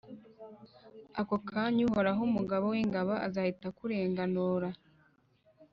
Ako kanya, Uhoraho, Umugaba w’ingabo, azahita akurenganura,